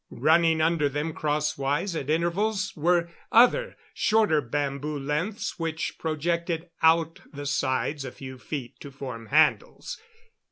Running under them crosswise at intervals were other, shorter bamboo lengths which projected out the sides a few feet to form handles.